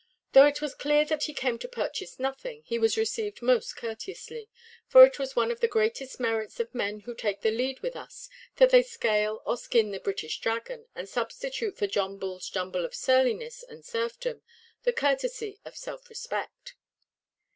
Though it was clear that he came to purchase nothing, he was received most courteously, for it is one of the greatest merits of men who take the lead with us, that they scale or skin the British dragon, and substitute for John Bullʼs jumble of surliness and serfdom, the courtesy of self–respect.